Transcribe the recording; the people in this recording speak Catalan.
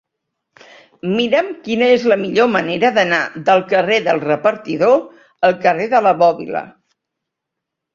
Mira'm quina és la millor manera d'anar del carrer del Repartidor al carrer de la Bòbila.